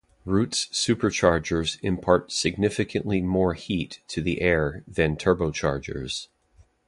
Roots superchargers impart significantly more heat to the air than turbochargers.